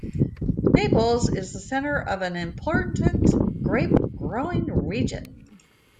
Naples is in the center of an important grape-growing region.